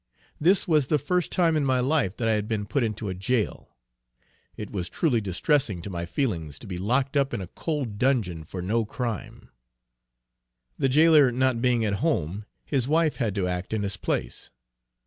This was the first time in my life that I had been put into a jail. It was truly distressing to my feelings to be locked up in a cold dungeon for no crime. The jailor not being at home, his wife had to act in his place.